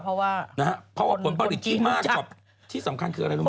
เพราะว่าผลประวิดที่มากที่สำคัญคืออะไรรู้ไหม